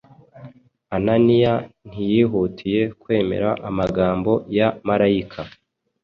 Ananiya ntiyihutiye kwemera amagambo ya marayika